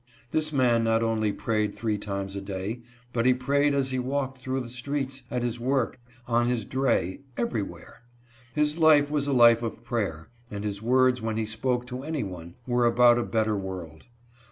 This man not only prayed three times a day, but he prayed as he walked through the streets, at his work, on his dray — everywhere. His life was a life of prayer, and his words when he spoke to any one, were about a better world.